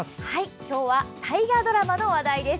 今日は大河ドラマの話題です。